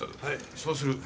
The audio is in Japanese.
そうする。